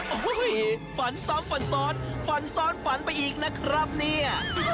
โอ้โหฝันซ้ำฝันซ้อนฝันซ้อนฝันไปอีกนะครับเนี่ย